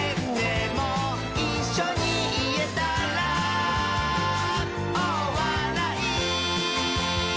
「いっしょにいえたら」「おおわらい」